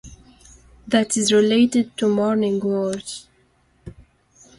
That is related to mourning wars.